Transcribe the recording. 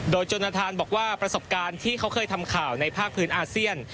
โดยจนทานบอกว่าประสบการณ์ที่เขาเคยทำข่าวในภาคพื้นอาเซียน